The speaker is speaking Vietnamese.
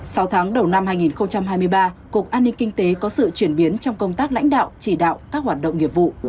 sau tháng đầu năm hai nghìn hai mươi ba cục an ninh kinh tế có sự chuyển biến trong công tác lãnh đạo chỉ đạo các hoạt động nghiệp vụ